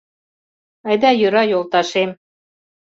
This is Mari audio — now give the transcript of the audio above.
— Айда-йӧра, йолташем!